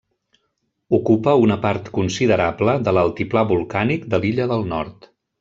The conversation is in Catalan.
Ocupa una part considerable de l'Altiplà Volcànic de l'Illa del Nord.